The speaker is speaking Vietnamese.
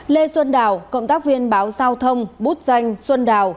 lê xuân đào cộng tác viên báo giao thông bút danh xuân đào